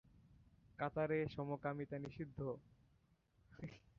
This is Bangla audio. কাতারে সমকামিতা নিষিদ্ধ।